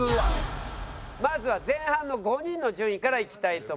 まずは前半の５人の順位からいきたいと思います。